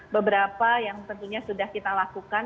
beberapa yang tentunya sudah kita lakukan